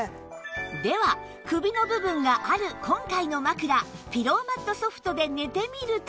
では首の部分がある今回の枕ピローマット Ｓｏｆｔ で寝てみると